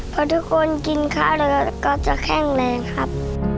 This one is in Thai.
พอทุกคนกินข้าวแล้วก็จะแข็งแรงครับ